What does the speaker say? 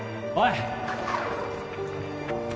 おい！